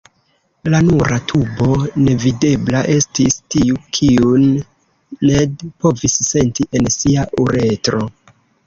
La nura tubo nevidebla estis tiu kiun Ned povis senti en sia uretro.